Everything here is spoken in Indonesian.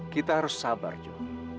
kita harus sabar jok